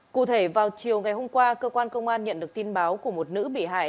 cụ thể vào chiều ngày hôm qua cơ quan công an nhận được tin báo của một nữ bị hại